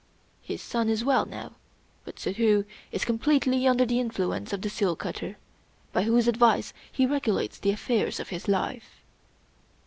His son is well now; but Suddhoo is completely under the in fluence of the seal cutter, by whose advice he regulates the affairs of his life.